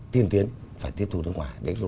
tiên tiến phải tiếp thu nước ngoài đấy là